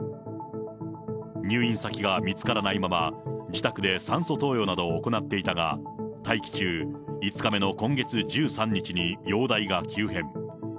入院先が見つからないまま、自宅で酸素投与などを行っていたが、待機中５日目の今月１３日に容体が急変。